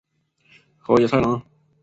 河野太郎。